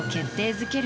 づける